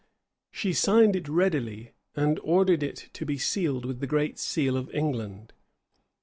She signed it readily, and ordered it to be sealed with the great seal of England.